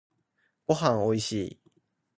ごはんおいしい